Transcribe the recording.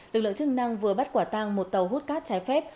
lực lượng chức năng vừa bắt quả tang một tàu hút cát trái phép